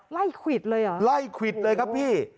ไล่ขวิตเลยหรอไล่ขวิตเลยครับพี่